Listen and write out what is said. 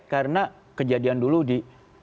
karena kejadian dulu di